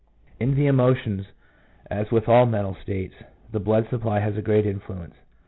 In the emotions, as with all mental states, the blood supply has a great influence.